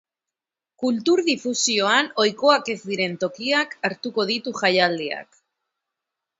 Kultur difusioan ohikoak ez diren tokiak hartuko ditu jaialdiak.